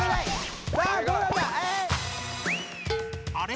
あれ？